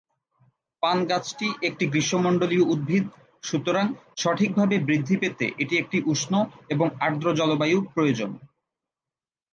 পান গাছটি একটি গ্রীষ্মমন্ডলীয় উদ্ভিদ, সুতরাং সঠিকভাবে বৃদ্ধি পেতে এটি একটি উষ্ণ এবং আর্দ্র জলবায়ু প্রয়োজন।